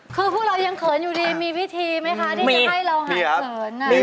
คือพวกเรายังเขินอยู่ดีมีวิธีไหมคะที่จะให้เราห่างเขิน